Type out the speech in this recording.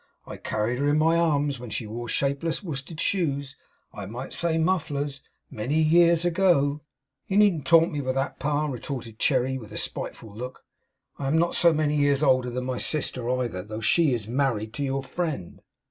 I carried her in my arms when she wore shapeless worsted shoes I might say, mufflers many years ago!' 'You needn't taunt me with that, Pa,' retorted Cherry, with a spiteful look. 'I am not so many years older than my sister, either, though she IS married to your friend!